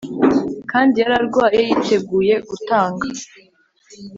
kandi yari arwaye yiteguye gutanga.